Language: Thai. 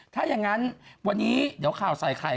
ถ้าอย่างนั้นวันนี้เดี๋ยวข่าวใส่ไข่